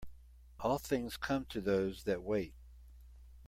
All things come to those that wait.